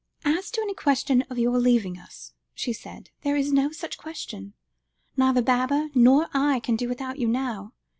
"As to any question of your leaving us," she said; "there is no such question. Neither Baba nor I can do without you now.